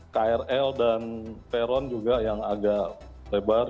krl dan peron juga yang agak lebar